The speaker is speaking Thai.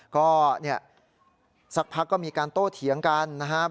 ก็เนี่ยสักพักก็มีการโต้เถียงกันนะครับ